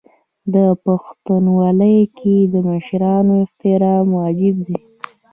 په پښتونولۍ کې د مشرانو احترام واجب دی.